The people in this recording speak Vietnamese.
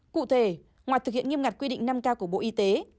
cụ thể ngoài thực hiện nghiêm ngặt quy định năm k của bộ y tế